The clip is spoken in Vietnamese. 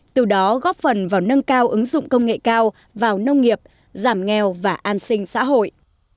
từ đó góp phần vào nâng cao ứng dụng công nghệ cao vào nông nghiệp giảm nghèo và an sinh xã hội